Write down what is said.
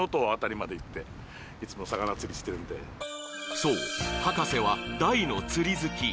そう、葉加瀬は大の釣り好き。